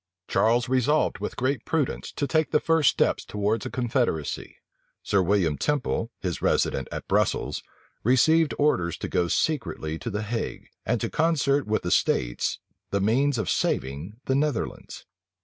Charles resolved with great prudence to take the first step towards a confederacy. Sir William Temple, his resident at Brussels, received orders to go secretly to the Hague, and to concert with the states the means of saving the Netherlands.